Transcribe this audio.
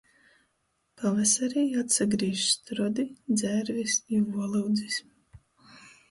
Pavasarī atsagrīž strodi, dzērvis i vuolyudzis.